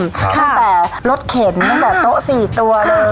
ตั้งแต่รถเข็นตั้งแต่โต๊ะ๔ตัวเลย